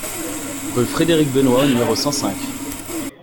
rue Frédéric Benoist au numéro cent cinq